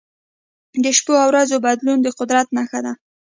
د شپو او ورځو بدلون د قدرت نښه ده.